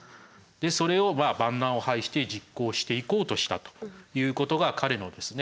それを万難を排して実行していこうとしたということが彼のですね